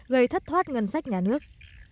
gây thất thoát ngân sách nhà nước